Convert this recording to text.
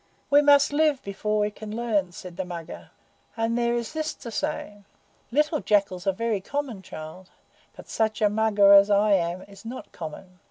"We must live before we can learn," said the Mugger, "and there is this to say: Little jackals are very common, child, but such a mugger as I am is not common.